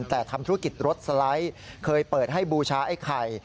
แต่ทำธุรกิจรถสไลด์เคยเปิดให้บูชาไอ้ไข่